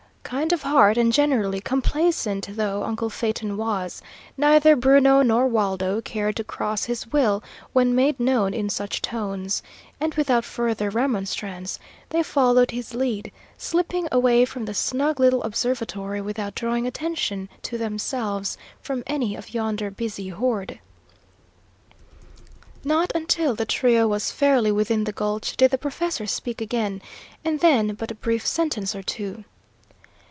Kind of heart and generally complaisant though uncle Phaeton was, neither Bruno nor Waldo cared to cross his will when made known in such tones, and without further remonstrance they followed his lead, slipping away from the snug little observatory without drawing attention to themselves from any of yonder busy horde. Not until the trio was fairly within the gulch did the professor speak again, and then but a brief sentence or two.